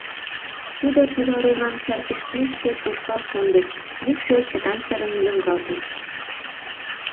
— Тудо кӱвар оҥам чарпештмешке тошкал шындыш, йӱкшӧ чытамсырын йоҥгалте.